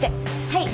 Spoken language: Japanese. はい。